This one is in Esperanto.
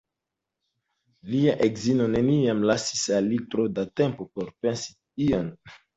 Lia edzino neniam lasis al li tro da tempo por pensi ion.